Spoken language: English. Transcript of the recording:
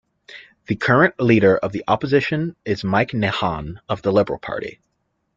The current Leader of the Opposition is Mike Nahan of the Liberal Party.